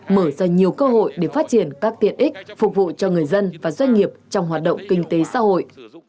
mở ra nhiều cơ hội để phát triển các tiện ích phục vụ cho người dân và doanh nghiệp trong hoạt động kinh tế xã hội